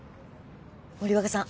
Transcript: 森若さん